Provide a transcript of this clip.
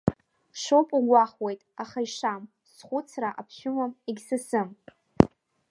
Шоуп угәахәуеит, аха ишам, схәыцра аԥшәымам, егьсасым.